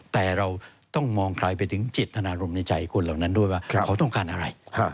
แต่เราต้องมองใครไปถึงเจตนารมณ์ในใจคนเหล่านั้นด้วยว่าเขาต้องการอะไร